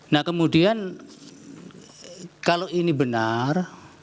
nah kemudian kalau ini benar